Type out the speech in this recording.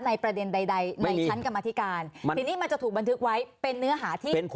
ในประเด็นใดในชั้นกรรมฐิการทีนี้มันจะถูกบันทึกไว้เป็นเนื้อหาที่คุยให้สำคัญ